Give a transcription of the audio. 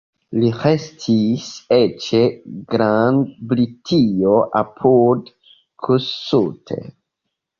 Li restis eĉ Grand-Britio apud Kossuth.